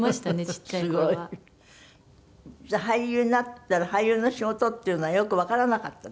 すごい。じゃあ俳優になったら俳優の仕事っていうのはよくわからなかった？